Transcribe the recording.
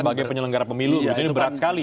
sebagai penyelenggara pemilu jadi berat sekali